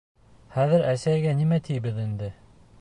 Хәҙер әсәйгә нимә тибеҙ инде?